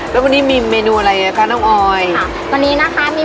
อ้อแปลกนะเอามาทำหลายรสได้เนอะอืมอันนี้อะไรนะคะบูเบอรี่